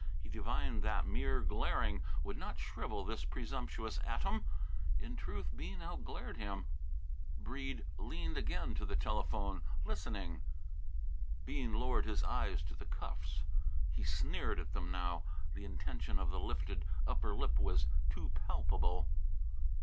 He divined that mere glaring would not shrivel this presumptuous atom. In truth, Bean outglared him. Breede leaned again to the telephone, listening. Bean lowered his eyes to the cuffs. He sneered at them now. The intention of the lifted upper lip was too palpable.